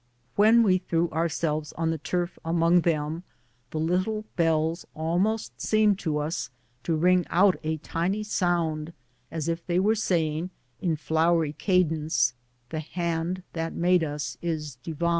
"When we threw ourselves on the turf among them, the little bells almost seemed to us to ring out a tiny sound, as if they were saying, in flowery cadence, " The hand that made us is divine."